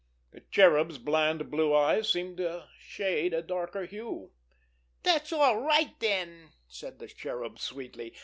The Cherub's bland, blue eyes seemed to shade a darker hue. "Dat's all right, den," said the Cherub sweetly.